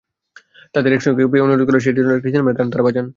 তাদের একসঙ্গে পেয়ে অনুরোধ করা হয়, যেন সিনেমার একটি গান তাঁরা বাজান।